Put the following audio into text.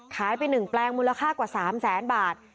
ขายไป๑แปลงมูลค่ากว่า๓แสนบาท